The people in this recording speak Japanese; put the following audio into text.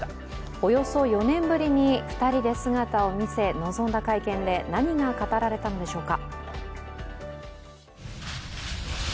およそ４年ぶりに２人で姿を見せ臨んだ会見で何が語られたのでしょうか。